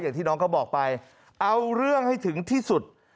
อย่างที่น้องเขาบอกไปเอาเรื่องให้ถึงที่สุด